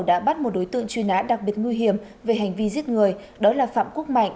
đã bắt một đối tượng truy nã đặc biệt nguy hiểm về hành vi giết người đó là phạm quốc mạnh